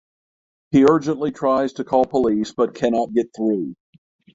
He urgently tries to call police but cannot get through.